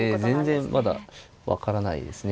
全然まだ分からないですね。